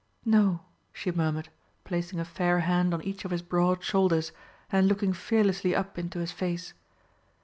"No," she murmured, placing a fair hand on each of his broad shoulders and looking fearlessly up into his face.